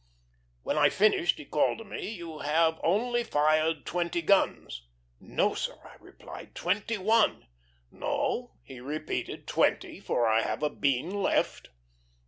When I finished, he called to me: "You have only fired twenty guns." "No, sir," I replied; "twenty one." "No," he repeated, "twenty; for I have a bean left."